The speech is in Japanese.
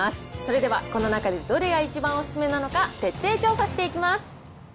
それではこの中でどれが一番お勧めなのか、徹底調査していきます。